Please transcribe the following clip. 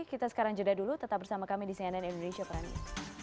kita sekarang jeda dulu tetap bersama kami di cnn indonesia prime news